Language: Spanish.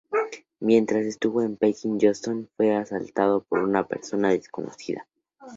Mientras estuvo en Pekín, Johnston fue asaltado por una persona desconocida.